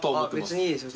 別にいいですよ